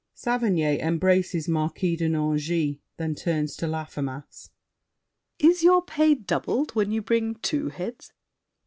SAVERNY (embraces Marquis de Nangis, then turns to Laffemas). Is your pay doubled When you bring two heads?